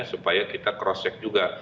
supaya kita cross check juga